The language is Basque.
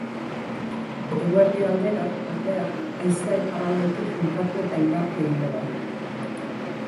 Eguerdi aldera, ordea, haizea iparraldetik finkatu eta indartu egingo da.